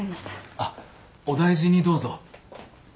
あっお大事にどうぞ。